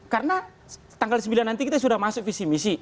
karena tanggal sembilan nanti kita sudah masuk visi misi